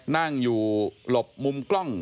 นั่งอยู่หลบมุมกล้อง